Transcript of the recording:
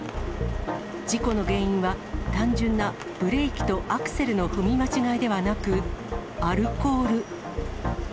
事故の原因は、単純なブレーキとアクセルの踏み間違えではなく、アルコール。